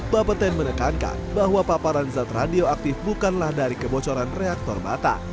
bapeten menekankan bahwa paparan zat radioaktif bukanlah dari kebocoran reaktor bata